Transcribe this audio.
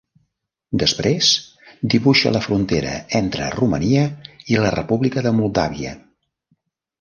Després, dibuixa la frontera entre Romania i la República de Moldàvia.